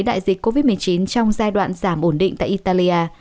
đại dịch covid một mươi chín trong giai đoạn giảm ổn định tại italia